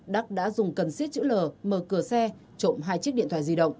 đắc đã dùng cần siết chữ l mở cửa xe trộm hai chiếc điện thoại di động